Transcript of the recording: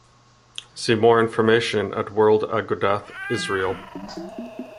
See more information at World Agudath Israel.